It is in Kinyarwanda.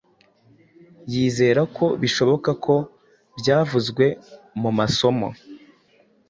Yizera ko bishoboka ko byavuzwe mu masomo